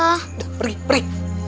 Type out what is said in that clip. udah pergi pergi